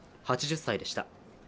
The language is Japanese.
８０歳でした。